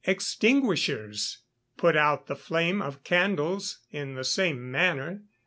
Extinguishers put out the flame of candles in the same manner.